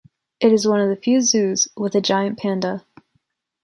It is one of the few zoos with a giant Panda.